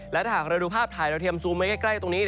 และถ้าหากเราดูภาพถ่ายเราเทียมซูมไว้ใกล้ตรงนี้